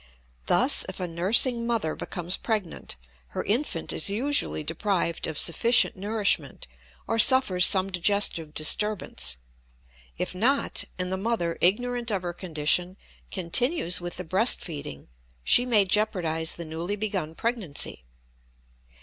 Thus, if a nursing mother becomes pregnant her infant is usually deprived of sufficient nourishment or suffers some digestive disturbance; if not, and the mother, ignorant of her condition, continues with the breast feeding, she may jeopardize the newly begun pregnancy.